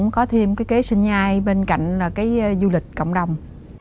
có thêm cái kế sinh nhai bên cạnh là cái du lịch cộng đồng